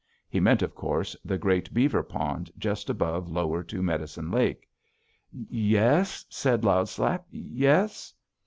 He meant, of course, the great beaver pond just above Lower Two Medicine Lake. "'Yes?' said Loud Slap, 'yes?'